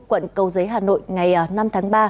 quận cầu giới hà nội ngày năm tháng ba